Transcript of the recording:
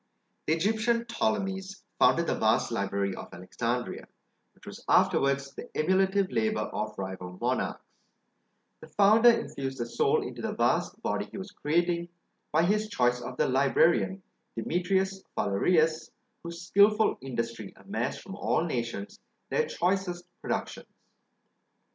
The Egyptian Ptolemies founded the vast library of Alexandria, which was afterwards the emulative labour of rival monarchs; the founder infused a soul into the vast body he was creating, by his choice of the librarian, Demetrius Phalereus, whose skilful industry amassed from all nations their choicest productions.